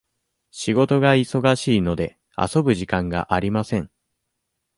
仕事が忙しいので、遊ぶ時間がありません。